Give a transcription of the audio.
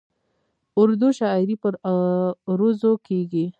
اردو شاعري پر عروضو کېږي.